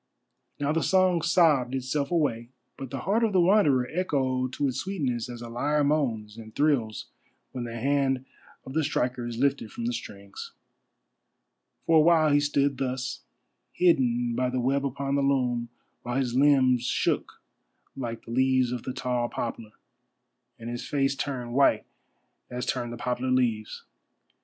Now the song sobbed itself away, but the heart of the Wanderer echoed to its sweetness as a lyre moans and thrills when the hand of the striker is lifted from the strings. For a while he stood thus, hidden by the web upon the loom, while his limbs shook like the leaves of the tall poplar, and his face turned white as turn the poplar leaves.